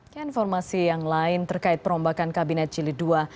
ke informasi yang lain terkait perombakan kabinet jilid ii